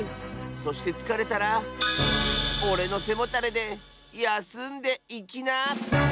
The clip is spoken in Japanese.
そしてつかれたらおれのせもたれでやすんでいきな！